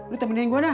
lo temenin gue dah